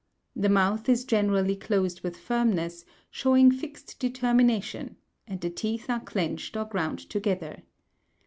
The mouth is generally closed with firmness, showing fixed determination, and the teeth are clenched or ground together.